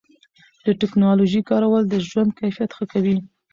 د ټکنالوژۍ کارول د ژوند کیفیت ښه کوي.